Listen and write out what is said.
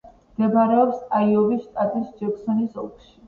მდებარეობს აიოვის შტატის ჯექსონის ოლქში.